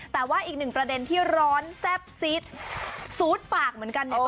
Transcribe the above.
แต่ว่าอีกหนึ่งประเด็นที่ร้อนแซ่บซิดซูดปากเหมือนกันเนี่ย